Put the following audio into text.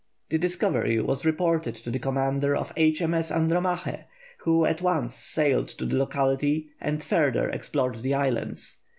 The discovery was reported to the commander of H.M.S. Andromache, who at once sailed to the locality and further explored the islands.